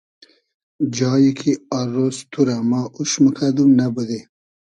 جای کی آر رۉز تو رۂ ما اوش موکئدوم نئبودی